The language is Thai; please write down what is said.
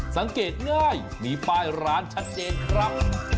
สังเกตง่ายมีป้ายร้านชัดเจนครับ